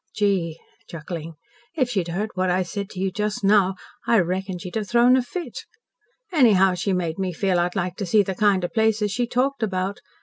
Gee!" chuckling, "if she'd heard what I said to you just now, I reckon she'd have thrown a fit. Anyhow she made me feel I'd like to see the kind of places she talked about.